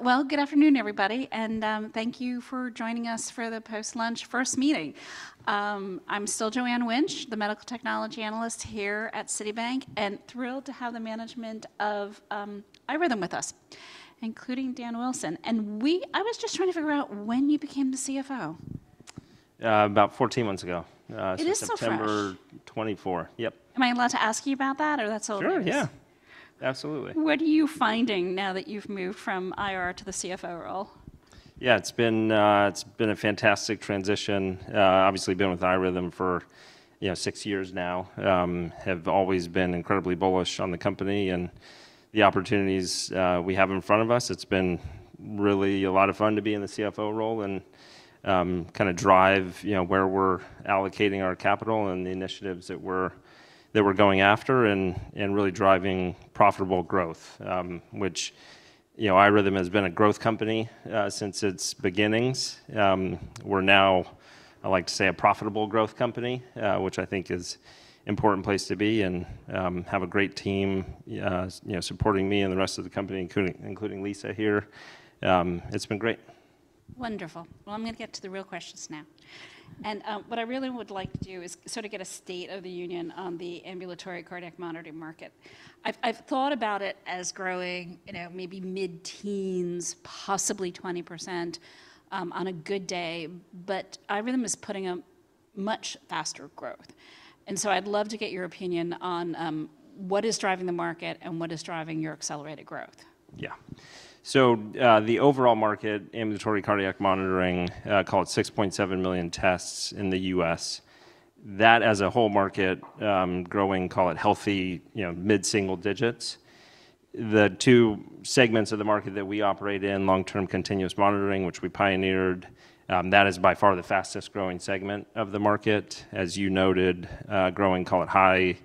Well, good afternoon, everybody, and thank you for joining us for the post-lunch first meeting. I'm still Joanne Wuensch, the medical technology analyst here at Citibank, and thrilled to have the management of iRhythm with us, including Dan Wilson, and I was just trying to figure out when you became the CFO. About 14 months ago. It is so fast. September 2024. Yep. Am I allowed to ask you about that, or that's all good? Sure. Yeah. Absolutely. What are you finding now that you've moved from IR to the CFO role? Yeah, it's been a fantastic transition. Obviously, been with iRhythm for six years now. Have always been incredibly bullish on the company and the opportunities we have in front of us. It's been really a lot of fun to be in the CFO role and kind of drive where we're allocating our capital and the initiatives that we're going after and really driving profitable growth, which iRhythm has been a growth company since its beginnings. We're now, I like to say, a profitable growth company, which I think is an important place to be and have a great team supporting me and the rest of the company, including Lisa here. It's been great. Wonderful. Well, I'm going to get to the real questions now. And what I really would like to do is sort of get a state of the union on the ambulatory cardiac monitoring market. I've thought about it as growing maybe mid-teens, possibly 20% on a good day. But iRhythm is putting up much faster growth. And so I'd love to get your opinion on what is driving the market and what is driving your accelerated growth. Yeah. So the overall market, ambulatory cardiac monitoring, call it 6.7 million tests in the U.S. That as a whole market, growing, call it healthy, mid-single digits. The two segments of the market that we operate in, long-term continuous monitoring, which we pioneered, that is by far the fastest growing segment of the market. As you noted, growing, call it high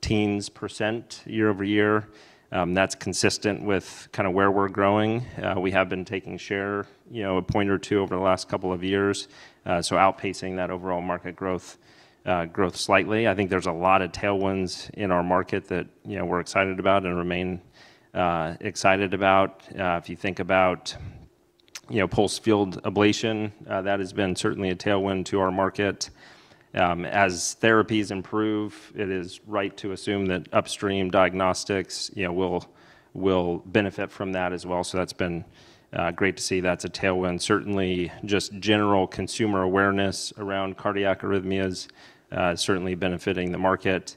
teens percent year-over-year. That's consistent with kind of where we're growing. We have been taking share, a point or two over the last couple of years, so outpacing that overall market growth slightly. I think there's a lot of tailwinds in our market that we're excited about and remain excited about. If you think about pulsed field ablation, that has been certainly a tailwind to our market. As therapies improve, it is right to assume that upstream diagnostics will benefit from that as well. So that's been great to see. That's a tailwind. Certainly, just general consumer awareness around cardiac arrhythmias is certainly benefiting the market.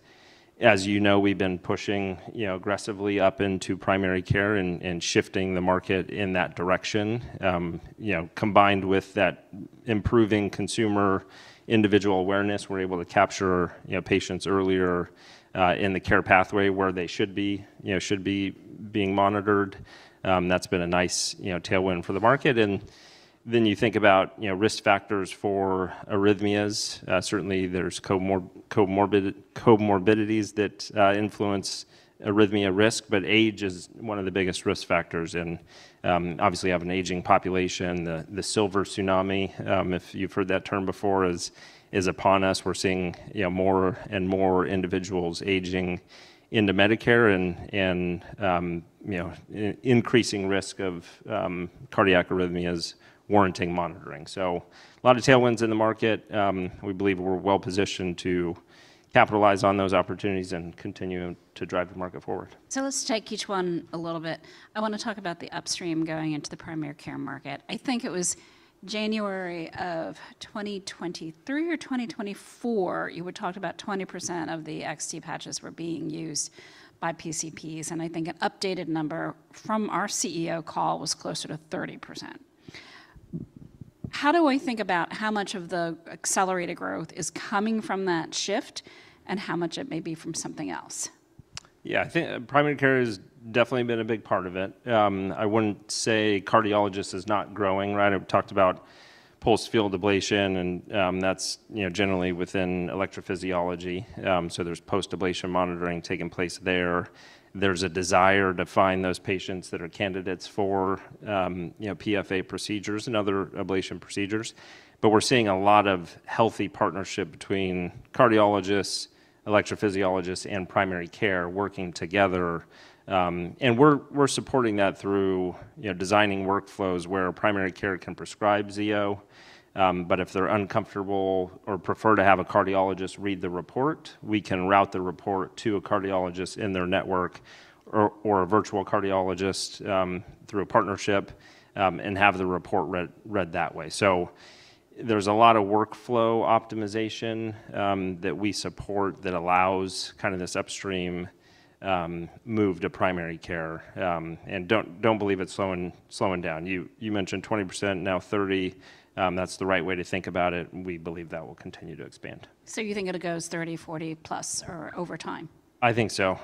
As you know, we've been pushing aggressively up into primary care and shifting the market in that direction. Combined with that improving consumer individual awareness, we're able to capture patients earlier in the care pathway where they should be being monitored. That's been a nice tailwind for the market. And then you think about risk factors for arrhythmias. Certainly, there's comorbidities that influence arrhythmia risk, but age is one of the biggest risk factors. And obviously, you have an aging population. The Silver Tsunami, if you've heard that term before, is upon us. We're seeing more and more individuals aging into Medicare and increasing risk of cardiac arrhythmias warranting monitoring. So a lot of tailwinds in the market. We believe we're well positioned to capitalize on those opportunities and continue to drive the market forward. So let's take each one a little bit. I want to talk about the upstream going into the primary care market. I think it was January of 2023 or 2024, you were talking about 20% of the XT patches were being used by PCPs. And I think an updated number from our CEO call was closer to 30%. How do I think about how much of the accelerated growth is coming from that shift and how much it may be from something else? Yeah, I think primary care has definitely been a big part of it. I wouldn't say cardiologists is not growing. We talked about pulsed field ablation, and that's generally within electrophysiology, so there's post-ablation monitoring taking place there. There's a desire to find those patients that are candidates for PFA procedures and other ablation procedures. But we're seeing a lot of healthy partnership between cardiologists, electrophysiologists, and primary care working together, and we're supporting that through designing workflows where primary care can prescribe Zio. But if they're uncomfortable or prefer to have a cardiologist read the report, we can route the report to a cardiologist in their network or a virtual cardiologist through a partnership and have the report read that way, so there's a lot of workflow optimization that we support that allows kind of this upstream move to primary care, and I don't believe it's slowing down. You mentioned 20%, now 30%. That's the right way to think about it. We believe that will continue to expand. So you think it goes 30, 40 plus, or over time? I think so.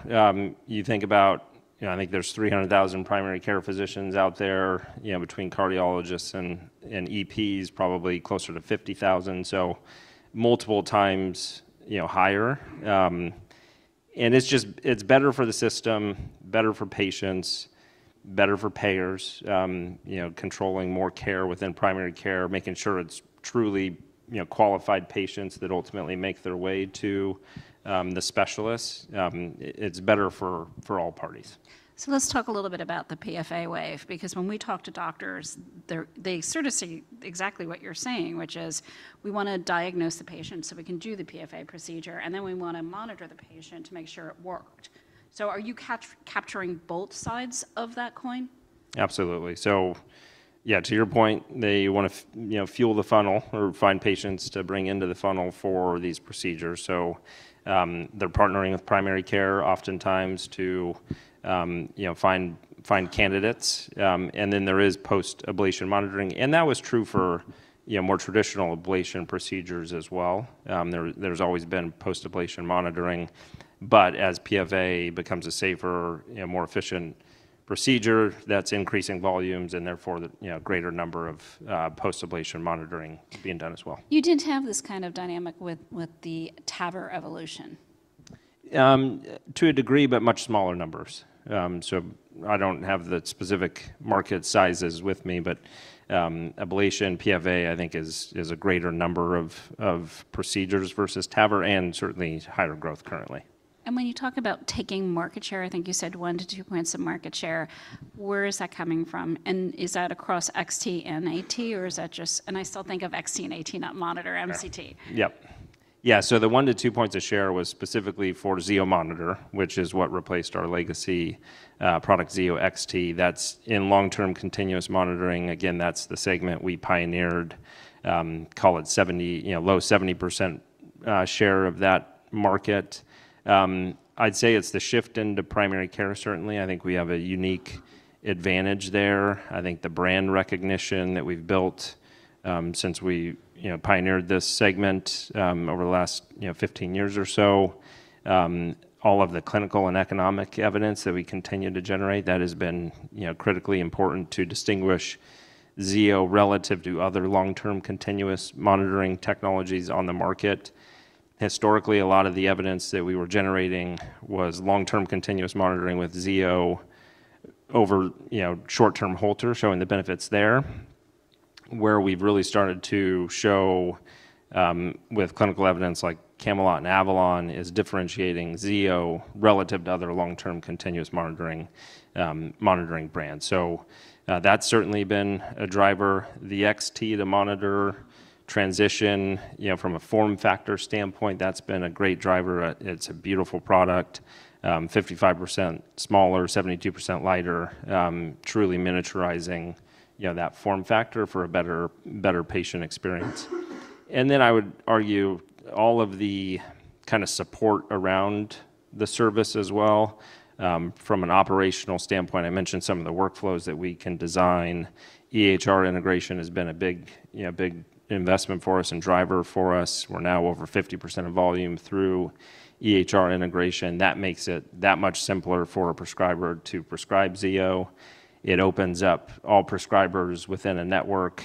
You think about, I think there's 300,000 primary care physicians out there between cardiologists and EPs, probably closer to 50,000. So multiple times higher. And it's better for the system, better for patients, better for payers, controlling more care within primary care, making sure it's truly qualified patients that ultimately make their way to the specialists. It's better for all parties. So let's talk a little bit about the PFA wave, because when we talk to doctors, they sort of see exactly what you're saying, which is we want to diagnose the patient so we can do the PFA procedure, and then we want to monitor the patient to make sure it worked. So are you capturing both sides of that coin? Absolutely. So yeah, to your point, they want to fuel the funnel or find patients to bring into the funnel for these procedures. So they're partnering with primary care oftentimes to find candidates. And then there is post-ablation monitoring. And that was true for more traditional ablation procedures as well. There's always been post-ablation monitoring. But as PFA becomes a safer, more efficient procedure, that's increasing volumes and therefore the greater number of post-ablation monitoring being done as well. You didn't have this kind of dynamic with the TAVR evolution. To a degree, but much smaller numbers. So I don't have the specific market sizes with me, but ablation, PFA, I think is a greater number of procedures versus TAVR and certainly higher growth currently. And when you talk about taking market share, I think you said one to two points of market share. Where is that coming from? And is that across XT and AT, or is that just, and I still think of XT and AT, not Monitor, MCT? Yep. Yeah, so the one to two points of share was specifically for Zio Monitor, which is what replaced our legacy product, Zio XT. That's in long-term continuous monitoring. Again, that's the segment we pioneered, call it low 70% share of that market. I'd say it's the shift into primary care, certainly. I think we have a unique advantage there. I think the brand recognition that we've built since we pioneered this segment over the last 15 years or so, all of the clinical and economic evidence that we continue to generate, that has been critically important to distinguish Zio relative to other long-term continuous monitoring technologies on the market. Historically, a lot of the evidence that we were generating was long-term continuous monitoring with Zio over short-term Holter, showing the benefits there. Where we've really started to show with clinical evidence like CAMELOT and AVALON is differentiating Zio relative to other long-term continuous monitoring brands. So that's certainly been a driver. The XT, the Monitor transition, from a form factor standpoint, that's been a great driver. It's a beautiful product, 55% smaller, 72% lighter, truly miniaturizing that form factor for a better patient experience. And then I would argue all of the kind of support around the service as well from an operational standpoint. I mentioned some of the workflows that we can design. EHR integration has been a big investment for us and driver for us. We're now over 50% of volume through EHR integration. That makes it that much simpler for a prescriber to prescribe Zio. It opens up all prescribers within a network.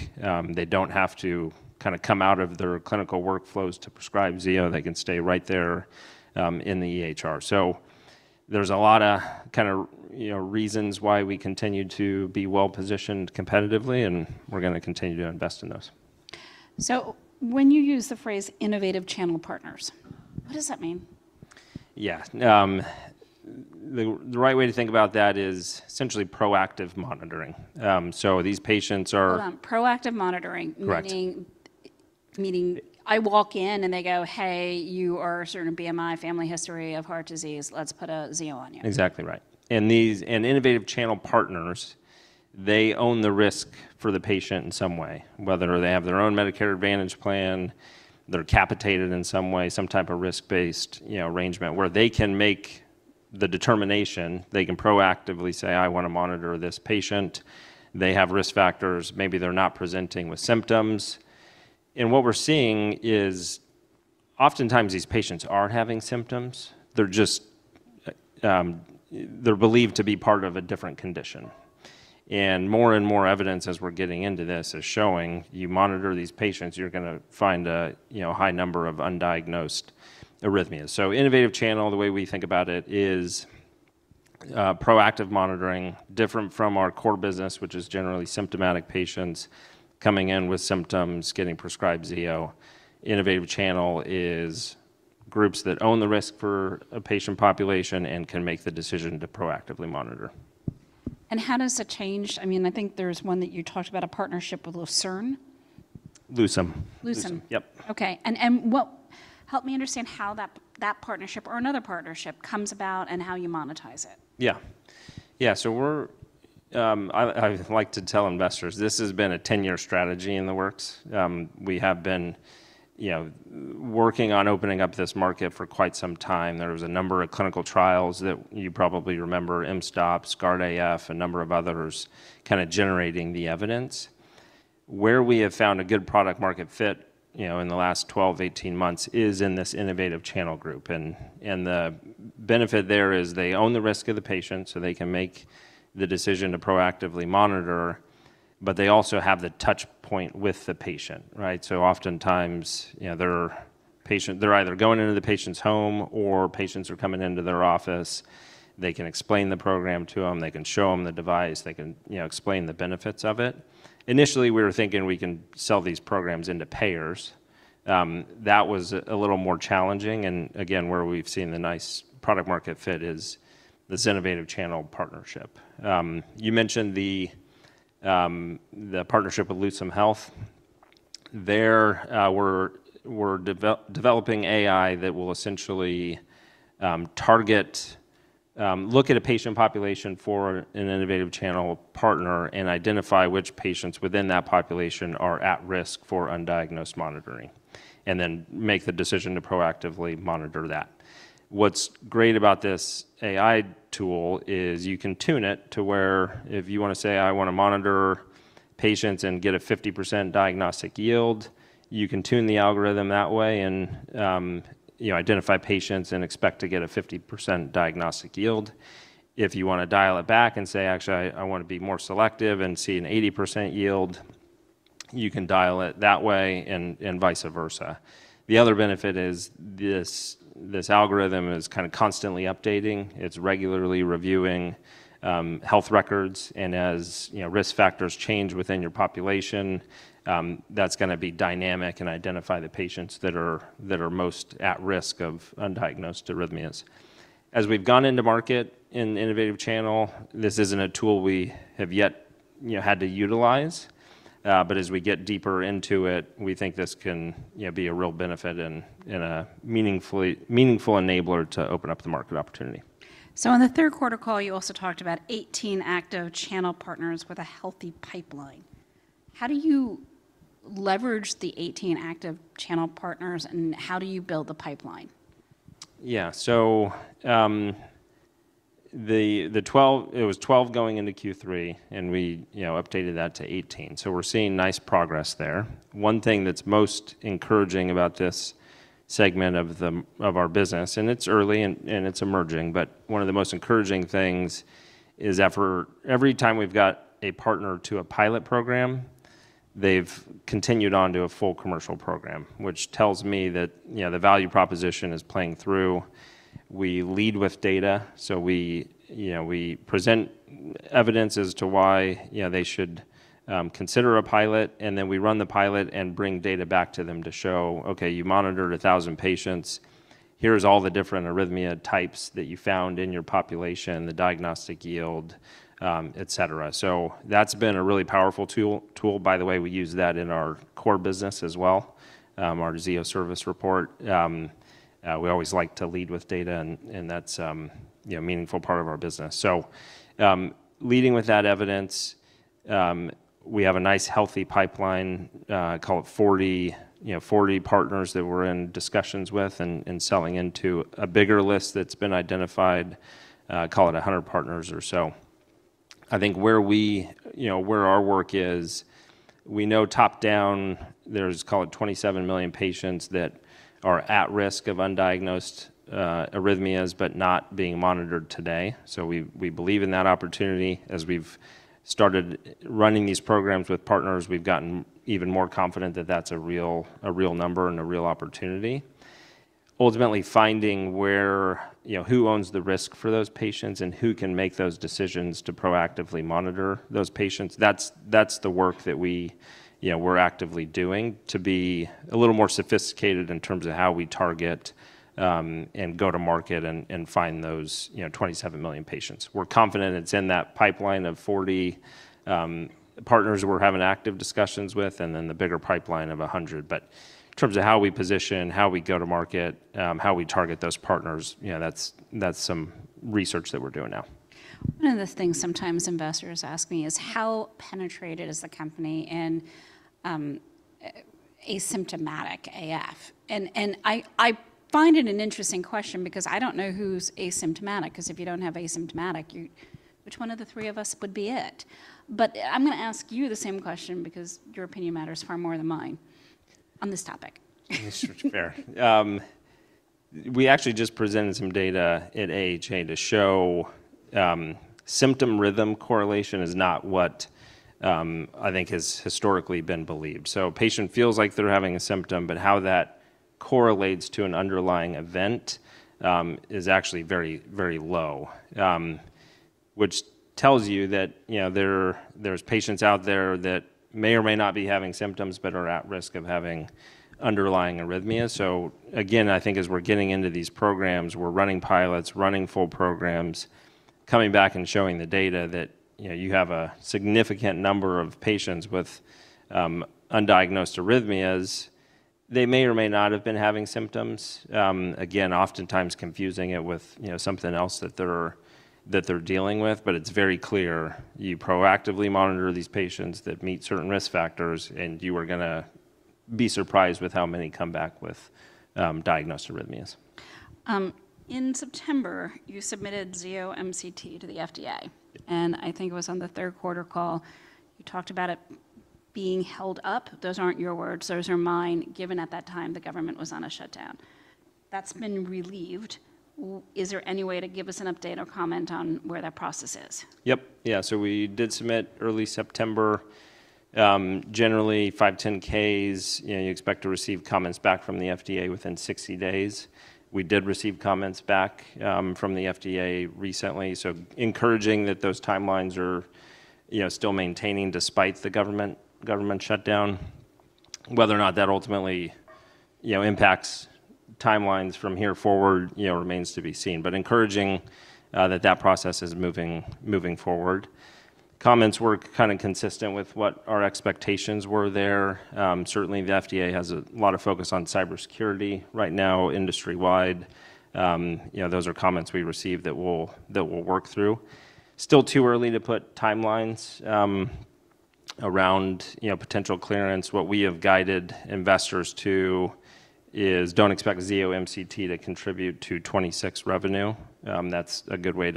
They don't have to kind of come out of their clinical workflows to prescribe Zio. They can stay right there in the EHR, so there's a lot of kind of reasons why we continue to be well positioned competitively, and we're going to continue to invest in those. So when you use the phrase innovative channel partners, what does that mean? Yeah. The right way to think about that is essentially proactive monitoring. So these patients are. Proactive monitoring, meaning I walk in and they go, "Hey, you are a certain BMI, family history of heart disease. Let's put a Zio on you. Exactly right. And innovative channel partners, they own the risk for the patient in some way, whether they have their own Medicare Advantage plan, they're capitated in some way, some type of risk-based arrangement where they can make the determination. They can proactively say, "I want to monitor this patient." They have risk factors. Maybe they're not presenting with symptoms. And what we're seeing is oftentimes these patients are having symptoms. They're believed to be part of a different condition. And more and more evidence as we're getting into this is showing you monitor these patients, you're going to find a high number of undiagnosed arrhythmias. So innovative channel, the way we think about it is proactive monitoring, different from our core business, which is generally symptomatic patients coming in with symptoms, getting prescribed Zio. Innovative channel is groups that own the risk for a patient population and can make the decision to proactively monitor. How does it change? I mean, I think there's one that you talked about a partnership with Lucem. Lucem. Lucem. Yep. Okay. And help me understand how that partnership or another partnership comes about and how you monetize it? Yeah. Yeah. So I like to tell investors, this has been a 10-year strategy in the works. We have been working on opening up this market for quite some time. There was a number of clinical trials that you probably remember, mSToPS, GUARD-AF, a number of others kind of generating the evidence. Where we have found a good product-market fit in the last 12-18 months is in this innovative channel group. And the benefit there is they own the risk of the patient, so they can make the decision to proactively monitor, but they also have the touchpoint with the patient, right? So oftentimes they're either going into the patient's home or patients are coming into their office. They can explain the program to them. They can show them the device. They can explain the benefits of it. Initially, we were thinking we can sell these programs into payers. That was a little more challenging, and again, where we've seen the nice product-market fit is this innovative channel partnership. You mentioned the partnership with Lucem Health. There we're developing AI that will essentially target, look at a patient population for an innovative channel partner and identify which patients within that population are at risk for undiagnosed monitoring and then make the decision to proactively monitor that. What's great about this AI tool is you can tune it to where if you want to say, "I want to monitor patients and get a 50% diagnostic yield," you can tune the algorithm that way and identify patients and expect to get a 50% diagnostic yield. If you want to dial it back and say, "Actually, I want to be more selective and see an 80% yield," you can dial it that way and vice versa. The other benefit is this algorithm is kind of constantly updating. It's regularly reviewing health records, and as risk factors change within your population, that's going to be dynamic and identify the patients that are most at risk of undiagnosed arrhythmias. As we've gone into market in innovative channel, this isn't a tool we have yet had to utilize, but as we get deeper into it, we think this can be a real benefit and a meaningful enabler to open up the market opportunity. On the third quarter call, you also talked about 18 active channel partners with a healthy pipeline. How do you leverage the 18 active channel partners and how do you build the pipeline? Yeah. So it was 12 going into Q3, and we updated that to 18. So we're seeing nice progress there. One thing that's most encouraging about this segment of our business, and it's early and it's emerging, but one of the most encouraging things is every time we've got a partner to a pilot program, they've continued on to a full commercial program, which tells me that the value proposition is playing through. We lead with data. So we present evidence as to why they should consider a pilot. And then we run the pilot and bring data back to them to show, "Okay, you monitored 1,000 patients. Here's all the different arrhythmia types that you found in your population, the diagnostic yield, etc." So that's been a really powerful tool. By the way, we use that in our core business as well, our Zio Service Report. We always like to lead with data, and that's a meaningful part of our business. So leading with that evidence, we have a nice healthy pipeline, call it 40 partners that we're in discussions with and selling into a bigger list that's been identified, call it 100 partners or so. I think where our work is, we know top down, there's call it 27 million patients that are at risk of undiagnosed arrhythmias, but not being monitored today. So we believe in that opportunity. As we've started running these programs with partners, we've gotten even more confident that that's a real number and a real opportunity. Ultimately, finding who owns the risk for those patients and who can make those decisions to proactively monitor those patients, that's the work that we're actively doing to be a little more sophisticated in terms of how we target and go to market and find those 27 million patients. We're confident it's in that pipeline of 40 partners we're having active discussions with and then the bigger pipeline of 100. But in terms of how we position, how we go to market, how we target those partners, that's some research that we're doing now. One of the things sometimes investors ask me is how penetrated is the company in asymptomatic AF? And I find it an interesting question because I don't know who's asymptomatic because if you don't have asymptomatic, which one of the three of us would be it? But I'm going to ask you the same question because your opinion matters far more than mine on this topic. Fair. We actually just presented some data at AHA to show symptom-rhythm correlation is not what I think has historically been believed. So a patient feels like they're having a symptom, but how that correlates to an underlying event is actually very, very low, which tells you that there's patients out there that may or may not be having symptoms but are at risk of having underlying arrhythmias. So again, I think as we're getting into these programs, we're running pilots, running full programs, coming back and showing the data that you have a significant number of patients with undiagnosed arrhythmias. They may or may not have been having symptoms. Again, oftentimes confusing it with something else that they're dealing with, but it's very clear you proactively monitor these patients that meet certain risk factors, and you are going to be surprised with how many come back with diagnosed arrhythmias. In September, you submitted Zio MCT to the FDA. And I think it was on the third quarter call, you talked about it being held up. Those aren't your words. Those are mine, given at that time the government was on a shutdown. That's been relieved. Is there any way to give us an update or comment on where that process is? Yep. Yeah. So we did submit early September, generally 510(k)s. You expect to receive comments back from the FDA within 60 days. We did receive comments back from the FDA recently. So encouraging that those timelines are still maintaining despite the government shutdown. Whether or not that ultimately impacts timelines from here forward remains to be seen, but encouraging that that process is moving forward. Comments were kind of consistent with what our expectations were there. Certainly, the FDA has a lot of focus on cybersecurity right now industry-wide. Those are comments we received that we'll work through. Still too early to put timelines around potential clearance. What we have guided investors to is don't expect Zio MCT to contribute to 2026 revenue. That's a good way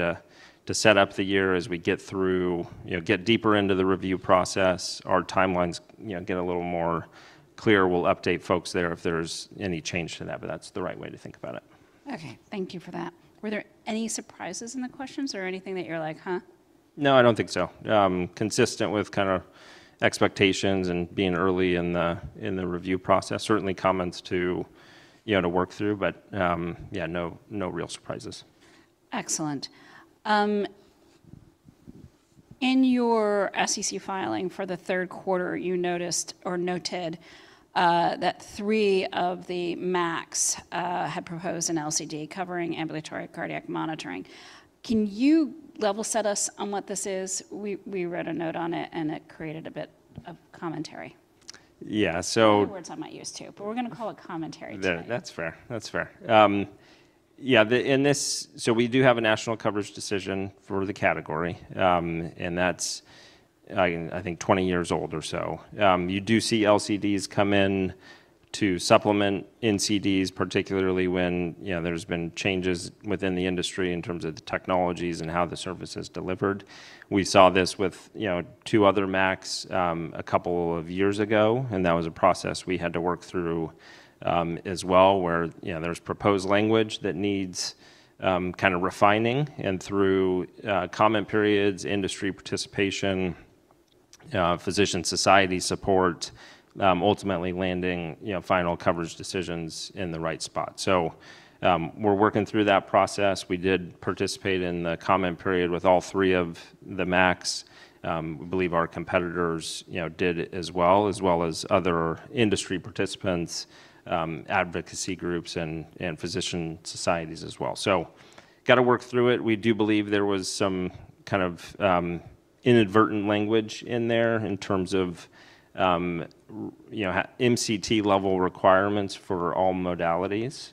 to set up the year as we get through, get deeper into the review process. Our timelines get a little more clear. We'll update folks there if there's any change to that, but that's the right way to think about it. Okay. Thank you for that. Were there any surprises in the questions or anything that you're like, "Huh? No, I don't think so. Consistent with kind of expectations and being early in the review process. Certainly comments to work through, but yeah, no real surprises. Excellent. In your SEC filing for the third quarter, you noticed or noted that three of the MACs had proposed an LCD covering ambulatory cardiac monitoring. Can you level set us on what this is? We wrote a note on it and it created a bit of commentary. Yeah. So. Words I might use too, but we're going to call it commentary today. That's fair. That's fair. Yeah. So we do have a national coverage decision for the category, and that's, I think, 20 years old or so. You do see LCDs come in to supplement NCDs, particularly when there's been changes within the industry in terms of the technologies and how the service is delivered. We saw this with two other MACs a couple of years ago, and that was a process we had to work through as well where there's proposed language that needs kind of refining and through comment periods, industry participation, physician society support, ultimately landing final coverage decisions in the right spot. So we're working through that process. We did participate in the comment period with all three of the MACs. We believe our competitors did as well, as well as other industry participants, advocacy groups, and physician societies as well. So got to work through it. We do believe there was some kind of inadvertent language in there in terms of MCT level requirements for all modalities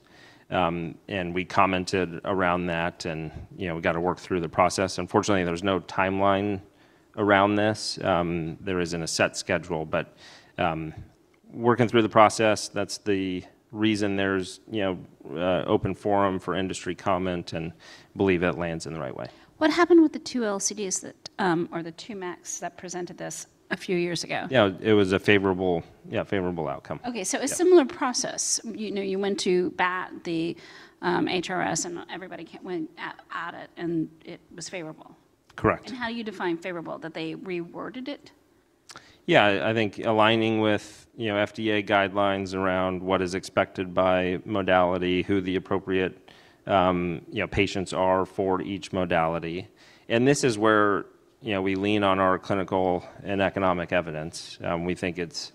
and we commented around that and we got to work through the process. Unfortunately, there's no timeline around this. There isn't a set schedule, but working through the process, that's the reason there's an open forum for industry comment and believe it lands in the right way. What happened with the two LCDs or the two MACs that presented this a few years ago? Yeah. It was a favorable outcome. Okay. So a similar process. You went to bat for the HRS and everybody went at it and it was favorable. Correct. And how do you define favorable? That they reworded it? Yeah. I think aligning with FDA guidelines around what is expected by modality, who the appropriate patients are for each modality, and this is where we lean on our clinical and economic evidence. We think it's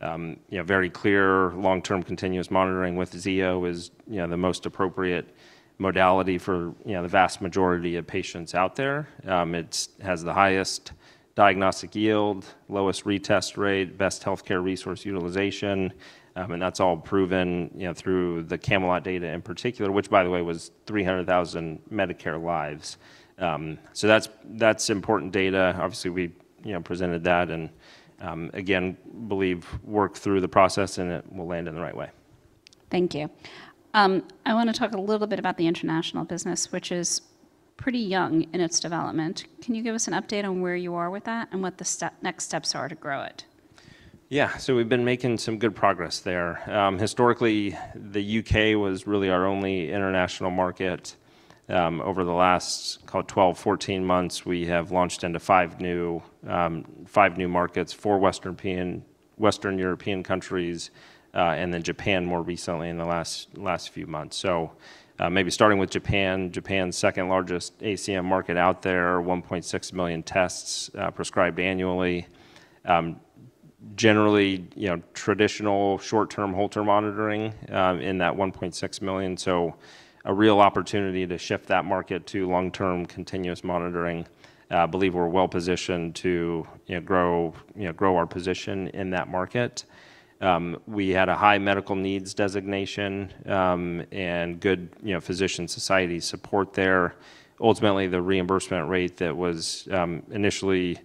very clear long-term continuous monitoring with Zio is the most appropriate modality for the vast majority of patients out there. It has the highest diagnostic yield, lowest retest rate, best healthcare resource utilization, and that's all proven through the CAMELOT data in particular, which by the way was 300,000 Medicare lives. So that's important data. Obviously, we presented that and again, believe worked through the process and it will land in the right way. Thank you. I want to talk a little bit about the international business, which is pretty young in its development. Can you give us an update on where you are with that and what the next steps are to grow it? Yeah. So we've been making some good progress there. Historically, the U.K. was really our only international market. Over the last, call it 12, 14 months, we have launched into five new markets, four Western European countries, and then Japan more recently in the last few months. So maybe starting with Japan, Japan's second largest ACM market out there, 1.6 million tests prescribed annually. Generally, traditional short-term Holter monitoring in that 1.6 million. So a real opportunity to shift that market to long-term continuous monitoring. I believe we're well positioned to grow our position in that market. We had a high medical needs designation and good physician society support there. Ultimately, the reimbursement rate that was initially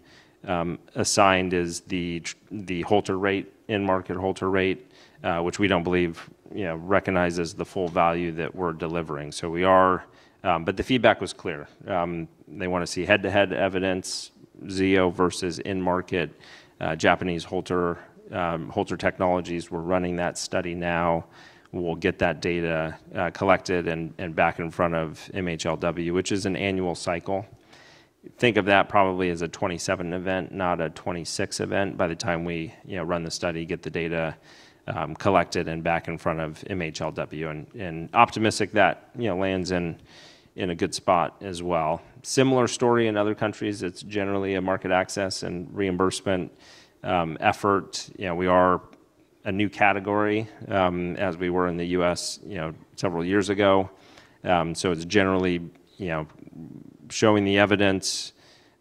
assigned is the Holter rate in-market Holter rate, which we don't believe recognizes the full value that we're delivering. So we are, but the feedback was clear. They want to see head-to-head evidence, Zio versus in-market Japanese Holter technologies. We're running that study now. We'll get that data collected and back in front of MHLW, which is an annual cycle. Think of that probably as a 2027 event, not a 2026 event by the time we run the study, get the data collected and back in front of MHLW, and optimistic that lands in a good spot as well. Similar story in other countries. It's generally a market access and reimbursement effort. We are a new category as we were in the U.S. several years ago, so it's generally showing the evidence,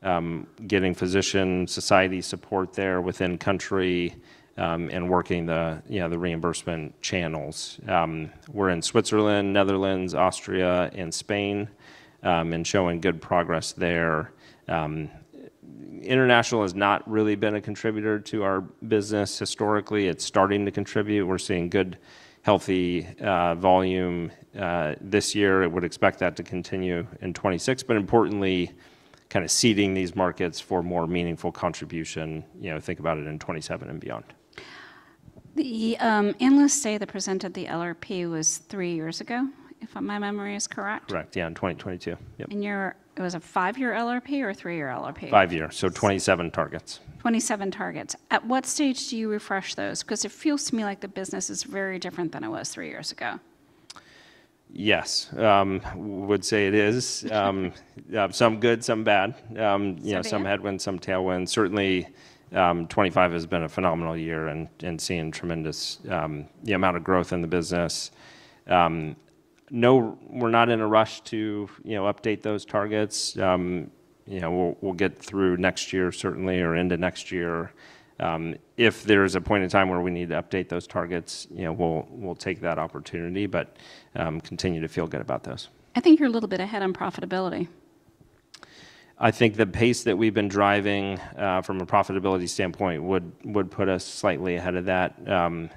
getting physician society support there within country and working the reimbursement channels. We're in Switzerland, Netherlands, Austria, and Spain and showing good progress there. International has not really been a contributor to our business historically. It's starting to contribute. We're seeing good healthy volume this year. I would expect that to continue in 2026, but importantly, kind of seeding these markets for more meaningful contribution. Think about it in 2027 and beyond. The analysts say they presented the LRP three years ago, if my memory is correct. Correct. Yeah. In 2022. Yep. It was a five-year LRP or three-year LRP? Five-year. So, 27 targets. 27 targets. At what stage do you refresh those? Because it feels to me like the business is very different than it was three years ago. Yes. I would say it is. Some good, some bad. Some headwinds, some tailwinds. Certainly, 2025 has been a phenomenal year and seen tremendous amount of growth in the business. We're not in a rush to update those targets. We'll get through next year certainly or into next year. If there's a point in time where we need to update those targets, we'll take that opportunity, but continue to feel good about those. I think you're a little bit ahead on profitability. I think the pace that we've been driving from a profitability standpoint would put us slightly ahead of that.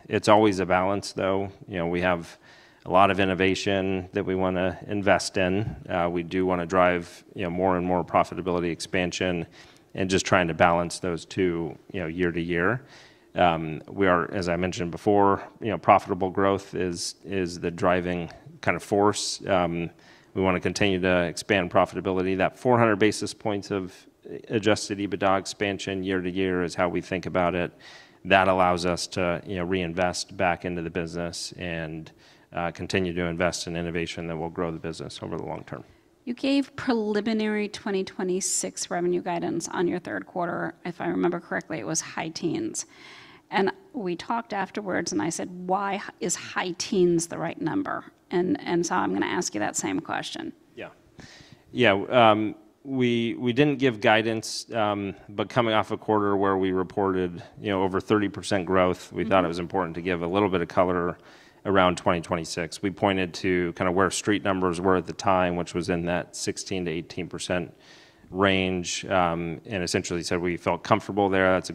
It's always a balance though. We have a lot of innovation that we want to invest in. We do want to drive more and more profitability expansion and just trying to balance those two year to year. We are, as I mentioned before, profitable growth is the driving kind of force. We want to continue to expand profitability. That 400 basis points of adjusted EBITDA expansion year-to-year is how we think about it. That allows us to reinvest back into the business and continue to invest in innovation that will grow the business over the long term. You gave preliminary 2026 revenue guidance on your third quarter. If I remember correctly, it was high teens. And we talked afterwards and I said, "Why is high teens the right number?" And so I'm going to ask you that same question. Yeah. Yeah. We didn't give guidance, but coming off a quarter where we reported over 30% growth, we thought it was important to give a little bit of color around 2026. We pointed to kind of where street numbers were at the time, which was in that 16%-18% range, and essentially said we felt comfortable there. That's a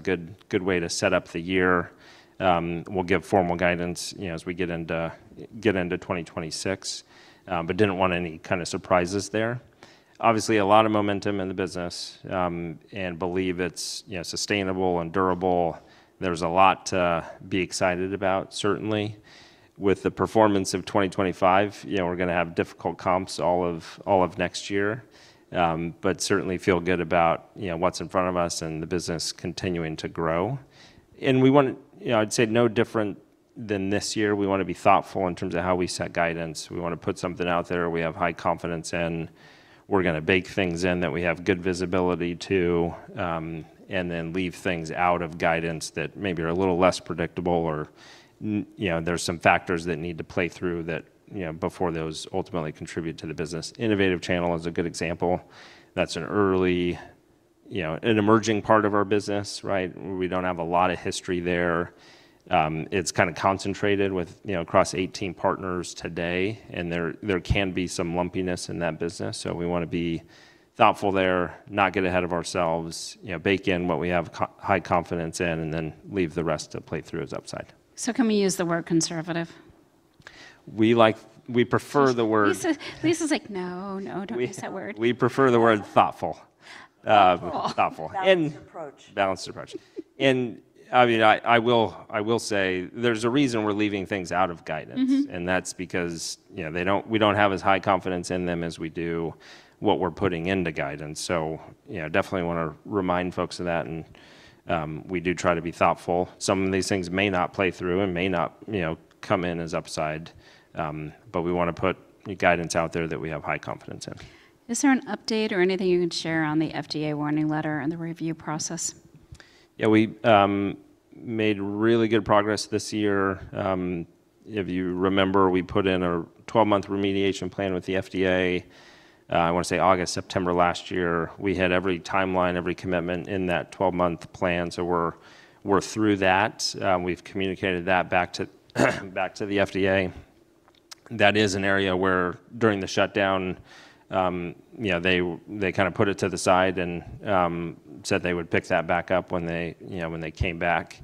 good way to set up the year. We'll give formal guidance as we get into 2026, but didn't want any kind of surprises there. Obviously, a lot of momentum in the business and believe it's sustainable and durable. There's a lot to be excited about, certainly. With the performance of 2025, we're going to have difficult comps all of next year, but certainly feel good about what's in front of us and the business continuing to grow, and I'd say no different than this year. We want to be thoughtful in terms of how we set guidance. We want to put something out there we have high confidence in. We're going to bake things in that we have good visibility to and then leave things out of guidance that maybe are a little less predictable or there's some factors that need to play through before those ultimately contribute to the business. Innovative Channel is a good example. That's an early, an emerging part of our business, right? We don't have a lot of history there. It's kind of concentrated across 18 partners today. And there can be some lumpiness in that business. So we want to be thoughtful there, not get ahead of ourselves, bake in what we have high confidence in, and then leave the rest to play through as upside. So can we use the word conservative? We prefer the word. Lisa's like, "No, no, don't use that word. We prefer the word thoughtful. Thoughtful. Balanced approach. Balanced approach. And I mean, I will say there's a reason we're leaving things out of guidance, and that's because we don't have as high confidence in them as we do what we're putting into guidance. So definitely want to remind folks of that. And we do try to be thoughtful. Some of these things may not play through and may not come in as upside, but we want to put guidance out there that we have high confidence in. Is there an update or anything you can share on the FDA warning letter and the review process? Yeah. We made really good progress this year. If you remember, we put in a 12-month remediation plan with the FDA. I want to say August, September last year. We had every timeline, every commitment in that 12-month plan. So we're through that. We've communicated that back to the FDA. That is an area where during the shutdown, they kind of put it to the side and said they would pick that back up when they came back.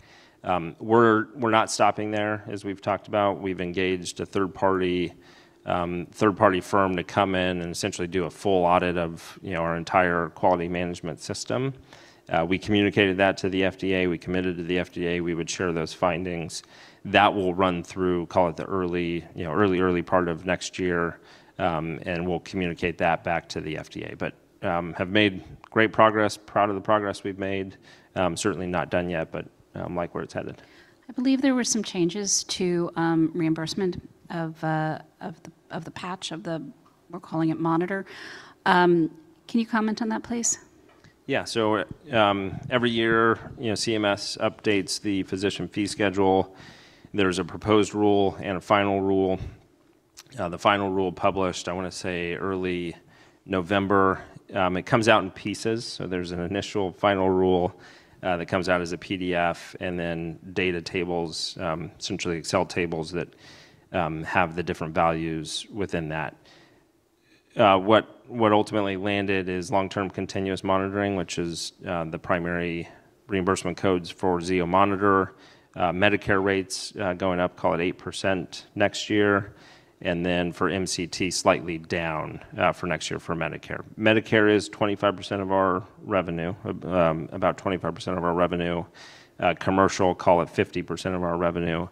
We're not stopping there, as we've talked about. We've engaged a third-party firm to come in and essentially do a full audit of our entire quality management system. We communicated that to the FDA. We committed to the FDA. We would share those findings. That will run through, call it the early, early, early part of next year, and we'll communicate that back to the FDA, but have made great progress, proud of the progress we've made. Certainly not done yet, but like where it's headed. I believe there were some changes to reimbursement of the patch or the, we're calling it monitor. Can you comment on that, please? Yeah, so every year, CMS updates the physician fee schedule. There's a proposed rule and a final rule. The final rule published, I want to say early November. It comes out in pieces, so there's an initial final rule that comes out as a PDF and then data tables, essentially Excel tables that have the different values within that. What ultimately landed is long-term continuous monitoring, which is the primary reimbursement codes for Zio Monitor. Medicare rates going up, call it 8% next year, and then for MCT, slightly down for next year for Medicare. Medicare is 25% of our revenue, about 25% of our revenue. Commercial, call it 50% of our revenue.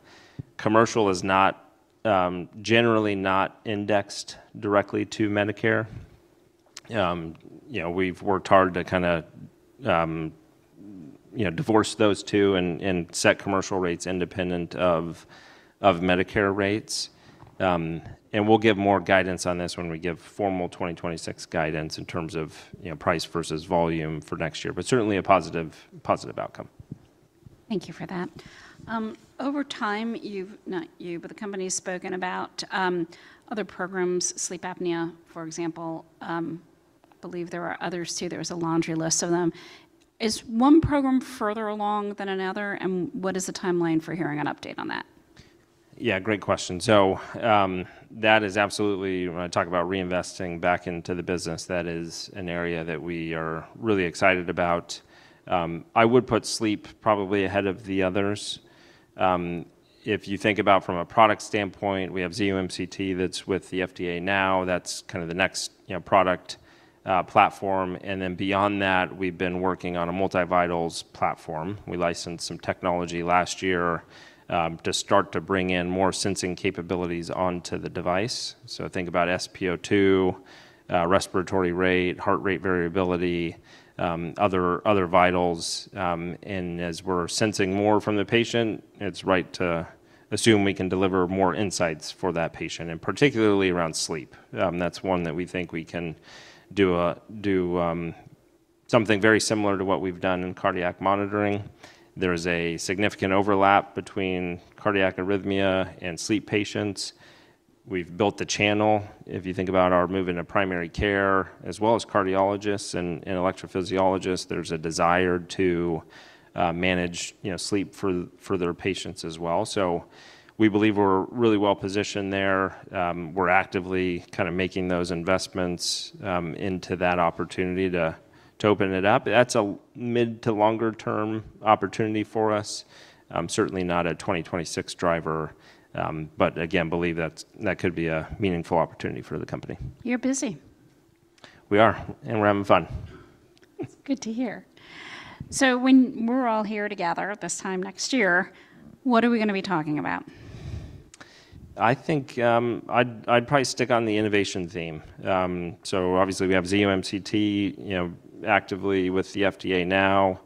Commercial is generally not indexed directly to Medicare. We've worked hard to kind of divorce those two and set commercial rates independent of Medicare rates. We'll give more guidance on this when we give formal 2026 guidance in terms of price versus volume for next year, but certainly a positive outcome. Thank you for that. Over time, you, but the company has spoken about other programs, sleep apnea, for example. I believe there are others too. There was a laundry list of them. Is one program further along than another? And what is the timeline for hearing an update on that? Yeah. Great question. So that is absolutely, when I talk about reinvesting back into the business, that is an area that we are really excited about. I would put sleep probably ahead of the others. If you think about from a product standpoint, we have Zio MCT that's with the FDA now. That's kind of the next product platform. And then beyond that, we've been working on a multi-vitals platform. We licensed some technology last year to start to bring in more sensing capabilities onto the device. So think about SpO2, respiratory rate, heart rate variability, other vitals. And as we're sensing more from the patient, it's right to assume we can deliver more insights for that patient, and particularly around sleep. That's one that we think we can do something very similar to what we've done in cardiac monitoring. There is a significant overlap between cardiac arrhythmia and sleep patients. We've built the channel. If you think about our move into primary care, as well as cardiologists and electrophysiologists, there's a desire to manage sleep for their patients as well. So we believe we're really well positioned there. We're actively kind of making those investments into that opportunity to open it up. That's a mid to longer-term opportunity for us. Certainly not a 2026 driver, but again, believe that could be a meaningful opportunity for the company. You're busy. We are, and we're having fun. It's good to hear. So when we're all here together this time next year, what are we going to be talking about? I think I'd probably stick on the innovation theme, so obviously we have Zio MCT actively with the FDA now.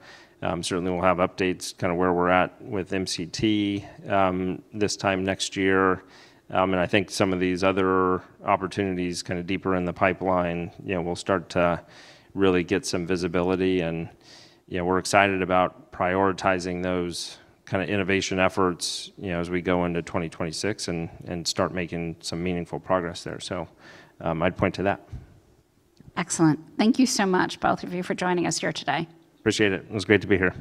Certainly we'll have updates kind of where we're at with MCT this time next year, and I think some of these other opportunities kind of deeper in the pipeline, we'll start to really get some visibility, and we're excited about prioritizing those kind of innovation efforts as we go into 2026 and start making some meaningful progress there, so I'd point to that. Excellent. Thank you so much, both of you, for joining us here today. Appreciate it. It was great to be here.